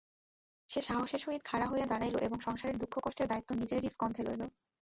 সে সাহসের সহিত খাড়া হইয়া দাঁড়াইল এবং সংসারের দুঃখকষ্টের দায়িত্ব নিজেরই স্কন্ধে লইল।